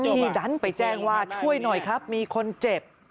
ที่ดันไปแจ้งว่าช่วยหน่อยครับมีคนเจ็บ